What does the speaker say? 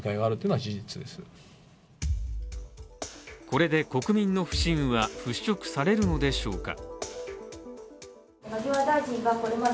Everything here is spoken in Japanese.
これで国民の不信は払拭されるのでしょうか。